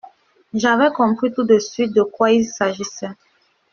J’avais compris tout de suite de quoi il s'agissait.